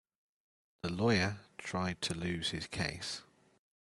The lawyer tried to lose his case.